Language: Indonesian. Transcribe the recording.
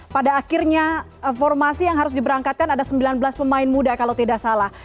pada akhirnya formasi yang harus diberangkatkan ada sembilan belas pemain muda kalau tidak salah